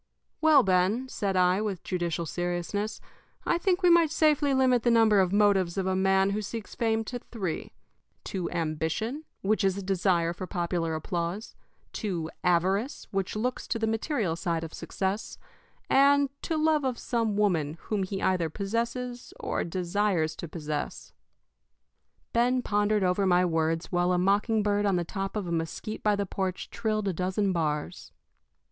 "Well, Ben," said I, with judicial seriousness, "I think we might safely limit the number of motives of a man who seeks fame to three to ambition, which is a desire for popular applause; to avarice, which looks to the material side of success; and to love of some woman whom he either possesses or desires to possess." Ben pondered over my words while a mocking bird on the top of a mesquite by the porch trilled a dozen bars.